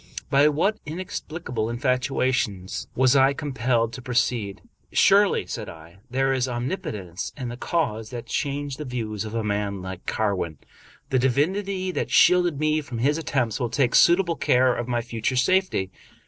By what inexplicable infatuation was I compelled to pro ceed? " Surely," said I, " there is omnipotence in the cause that changed the views of a man like Carwin. The divinity that shielded me from his attempts will take suitable care of my future safety.